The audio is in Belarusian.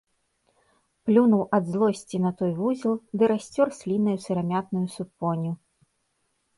Плюнуў ад злосці на той вузел ды расцёр слінаю сырамятную супоню.